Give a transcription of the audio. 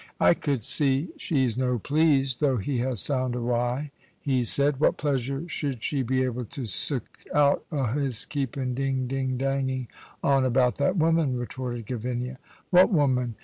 "I could see she's no pleased, though he has found a wy," he said. "What pleasure should she be able to sook out o' his keeping ding ding danging on about that woman?" retorted Gavinia. "What woman?"